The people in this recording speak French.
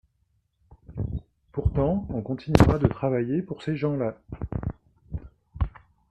Pourtant on continuera de travailler pour ces gens-là.